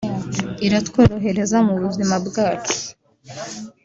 iratworohereza mu buzima bwacu